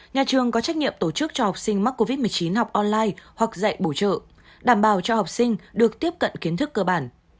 nhà trường có trách nhiệm tổ chức cho học sinh mắc covid một mươi chín học online hoặc dạy bổ trợ đảm bảo cho học sinh được tiếp cận kiến thức cơ bản